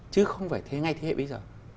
chứ không phải thế ngay thế hệ bây giờ